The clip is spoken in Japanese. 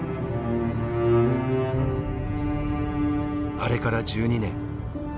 あれから１２年。